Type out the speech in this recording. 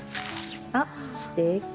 あっすてき。